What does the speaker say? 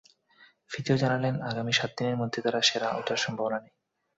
Physio জানালেন, আগামী সাত দিনের মধ্যে তার সেরা ওঠার সম্ভাবনা নেই।